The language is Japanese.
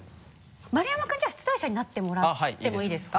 丸山君じゃあ出題者になってもらってもいいですか？